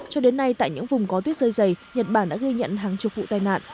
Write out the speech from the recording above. cho đến nay tại những vùng có tuyết rơi dày nhật bản đã ghi nhận hàng chục vụ tai nạn